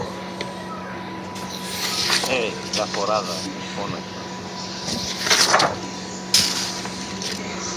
Ε, κερα-φοράδα, της φώναξα